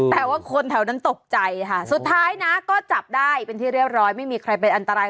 แต่ว่าคนแถวนั้นตกใจค่ะสุดท้ายนะก็จับได้เป็นที่เรียบร้อยไม่มีใครเป็นอันตราย